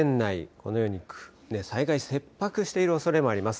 このように災害切迫しているおそれもあります。